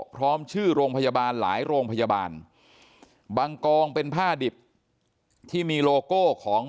พร้อมชื่อโรงพยาบาลหลายโรงพยาบาลบางกองเป็นผ้าดิบที่มีโลโก้ของ